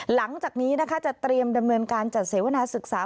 หลังจากนี้นะคะจะเตรียมดำเนินการจัดเสวนาศึกษา